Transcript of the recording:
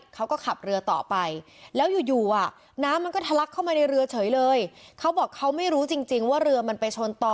เขาก็ขับเรือต่อไปแล้วอยู่อยู่น้ำมันก็ทะลักเข้ามาในเรือเฉยเลยเขาบอกเขาไม่รู้จริงว่าเรือมันไปชนต่อ